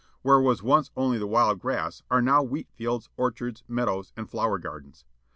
Where was once only the wild grass, are now wheat fields, orchards, meadows, and flower gardens.